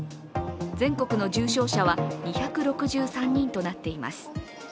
全国の重症者は２６３人となっています。